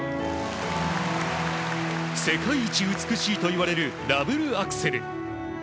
世界一美しいといわれるダブルアクセル。